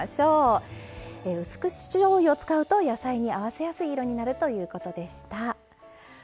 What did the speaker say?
うす口しょうゆを使うと野菜に合わせやすい色になるということでした。